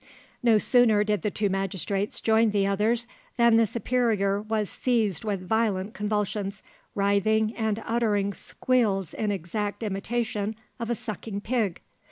No sooner did the two magistrates join the others than the superior was seized with violent convulsions, writhing and uttering squeals in exact imitation of a sucking pig.